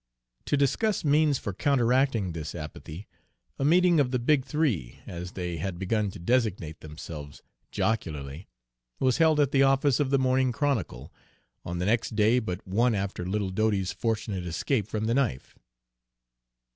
To discuss means for counteracting this apathy, a meeting of the "Big Three," as they had begun to designate themselves jocularly, was held at the office of the "Morning Chronicle," on the next day but one after little Dodie's fortunate escape from the knife.